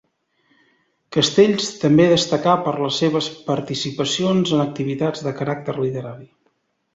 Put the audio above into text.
Castells, també destacà per les seves participacions en activitats de caràcter literari.